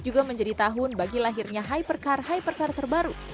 dua ribu tujuh belas juga menjadi tahun bagi lahirnya hypercar hypercar terbaru